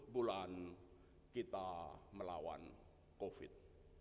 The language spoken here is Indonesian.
tiga puluh bulan kita melawan covid